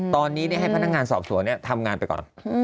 ตอนนี้เนี่ยให้พนักงานสอบส่วนเนี่ยทำงานไปก่อน